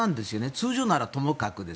通常ならともかく。